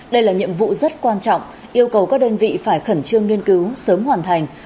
đây là nhiệm vụ rất quan trọng yêu cầu các đơn vị phải khẩn trương nghiên cứu sớm hoàn thành